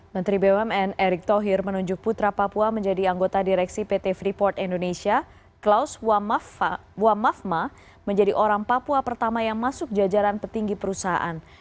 menteri bumn erick thohir menunjuk putra papua menjadi anggota direksi pt freeport indonesia klaus wamafma menjadi orang papua pertama yang masuk jajaran petinggi perusahaan